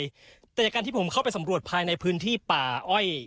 แต่จากการที่ผมเข้าไปสำรวจภายในพื้นที่ป่าอ้อย